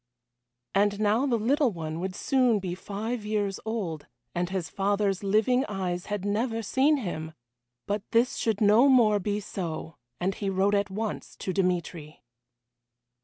And now the little one would soon be five years old, and his father's living eyes had never seen him! But this should no more be so, and he wrote at once to Dmitry.